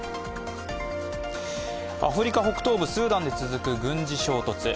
アフリカ北東部スーダンで続く軍事衝突。